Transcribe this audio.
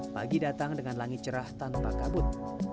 pagi datang dengan langit cerah tanpa kabut